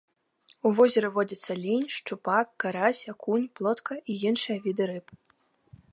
У возеры водзяцца лінь, шчупак, карась, акунь, плотка і іншыя віды рыб.